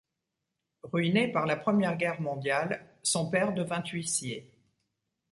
Ruiné par la Première Guerre mondiale, son père devint huissier.